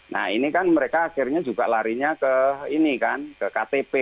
nah ini kan mereka akhirnya juga larinya ke ini kan ke ktp